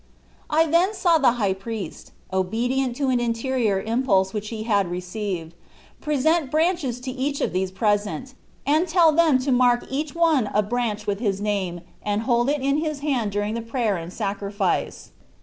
I then saw the High Priest, obedient to an interior impulse which he had re ceived, present branches to each of those present, and tell them to mark each one a branch with his name and hold it in his hand during the prayer and sacrifice.